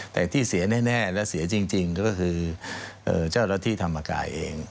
แต่ที่เสียแน่และเสียจริงก็คือเจ้าหน้าที่ธรรมกายเอง